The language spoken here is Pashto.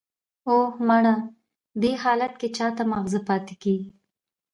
"اوه، مړه! دې حالت کې چا ته ماغزه پاتې کېږي!"